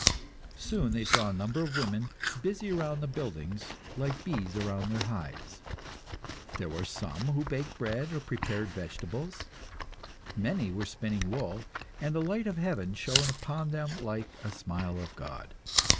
Soon they saw a number of women busy around the buildings, like bees round their hives. There were some who baked bread, or prepared vegetables; many were spinning wool, and the light of heaven shone upon them like a smile of God.